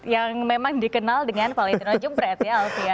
yang memang dikenal dengan valentino jebret ya alvian